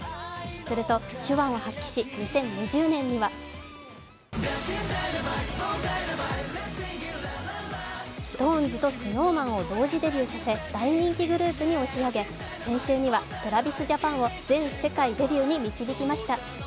すると手腕を発揮し２０２０年にはＳｉｘＴＯＮＥＳとＳｎｏｗＭａｎを同時デビューさせ大人気グループに押し上げ先週にはＴｒａｖｉｓＪａｐａｎを全世界デビューに導きました。